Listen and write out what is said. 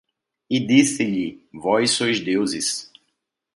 E disse-lhe: vós sois deuses